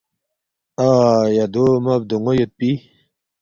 ”ایہ دو مہ بدون٘و یودپی